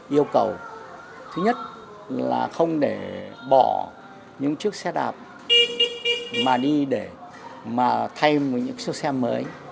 yêu cầu thứ nhất là không để bỏ những chiếc xe đạp mà đi để mà thay những số xe mới